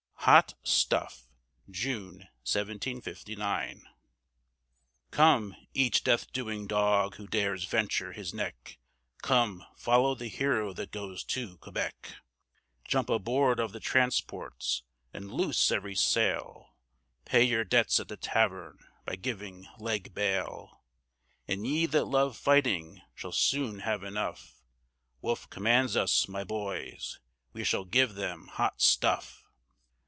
HOT STUFF [June, 1759] Come, each death doing dog who dares venture his neck, Come, follow the hero that goes to Quebec; Jump aboard of the transports, and loose every sail, Pay your debts at the tavern by giving leg bail; And ye that love fighting shall soon have enough: Wolfe commands us, my boys; we shall give them Hot Stuff.